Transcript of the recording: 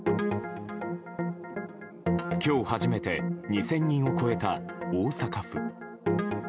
今日初めて２０００人を超えた大阪府。